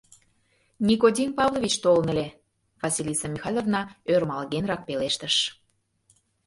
— Никодим Павлович толын ыле, — Василиса Михайловна ӧрмалгенрак пелештыш.